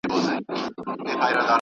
کال په کال مو پسرلی بیرته راتللای